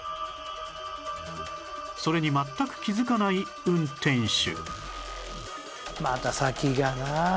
それに全く気づかない運転手